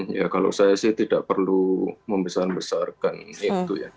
ya kalau saya sih tidak perlu membesar besarkan itu ya